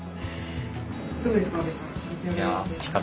どうですか？